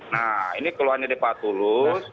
nah ini keluhan dari pak tulus